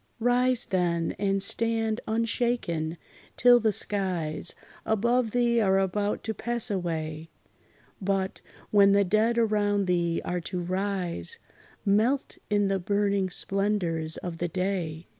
Rise then, and stand unshaken, till the skies Above thee are about to pass away; But, when the dead around thee are to rise, Melt in the burning splendors of the day!